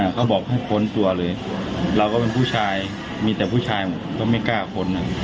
เขาบอกให้พ้นตัวเลยเราก็เป็นผู้ชายมีแต่ผู้ชายหมดก็ไม่กล้าพ้น